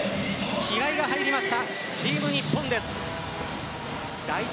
一つ気合が入りました。